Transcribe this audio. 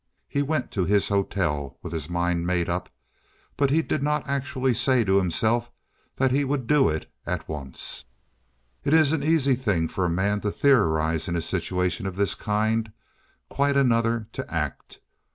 He went to his hotel with his mind made up, but he did not actually say to himself that he would do it at once. It is an easy thing for a man to theorize in a situation of this kind, quite another to act.